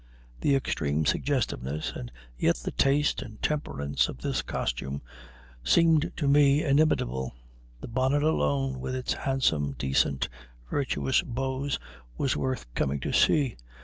The extreme suggestiveness, and yet the taste and temperance of this costume, seemed to me inimitable; the bonnet alone, with its handsome, decent, virtuous bows, was worth coming to see.